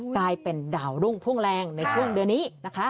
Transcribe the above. กลายเป็นดาวรุ่งพุ่งแรงในช่วงเดือนนี้นะคะ